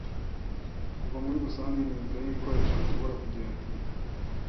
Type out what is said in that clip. kuva muri rusange ninzira yibikoresho bishobora kugenda